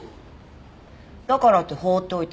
だからって放っておいていいの？